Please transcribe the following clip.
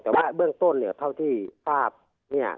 แต่ว่าเบื้องต้นเนี่ยเท่าที่ทราบเนี่ย